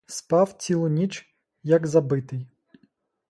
Спав цілу ніч, як забитий.